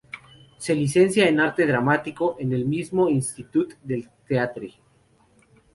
Se licencia en Arte Dramático en el mismo Institut del Teatre.